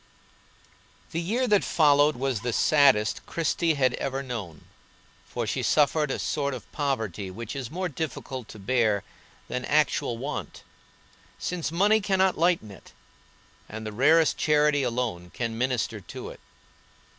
The year that followed was the saddest Christie had ever known, for she suffered a sort of poverty which is more difficult to bear than actual want, since money cannot lighten it, and the rarest charity alone can minister to it.